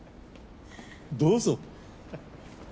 どうぞ。